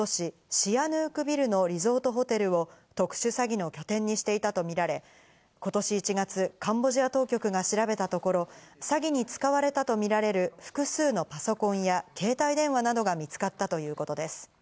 シアヌークビルのリゾートホテルを特殊詐欺の拠点にしていたとみられ、今年１月、カンボジア当局が調べたところ、詐欺に使われたとみられる複数のパソコンや携帯電話などが見つかったということです。